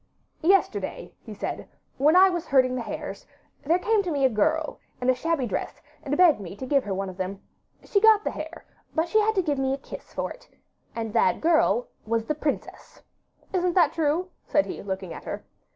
'Yesterday,' he said, 'when I was herding the hares, there came to me a girl, in a shabby dress, and begged me to give her one of them. She got the hare, but she had to give me a kiss for it; AND THAT GIRL WAS THE PRINCESS. Isn't that true?' said he, looking at her.